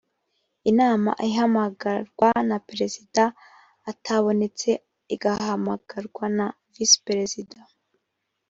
inama ihamagarwa na perezida atabonetse igahamagarwa na visiperezida